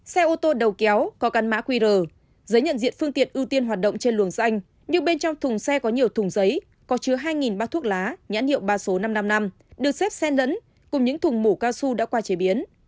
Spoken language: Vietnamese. xe ô tô đầu kéo có căn mã qr giấy nhận diện phương tiện ưu tiên hoạt động trên luồng xanh nhưng bên trong thùng xe có nhiều thùng giấy có chứa hai bác thuốc lá nhãn hiệu ba số năm trăm năm mươi năm được xếp xe lẫn cùng những thùng mũ cao su đã qua chế biến